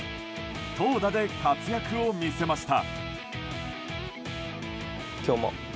投打で活躍を見せました。